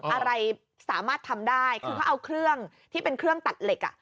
อะไรสามารถทำได้คือเขาเอาเครื่องที่เป็นเครื่องตัดเหล็กอ่ะ